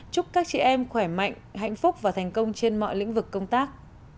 chúc các chị em khỏe mạnh hạnh phúc và thành công trên mọi lĩnh vực công tác